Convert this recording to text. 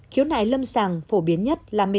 khiếu nải lâm sàng phổ biến nhất là mệt mỏi